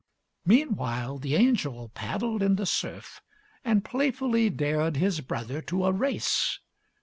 Meanwhile the angel paddled in the surf, And playfully dared his brother to a race.